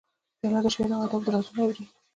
پیاله د شعرو او ادب رازونه اوري.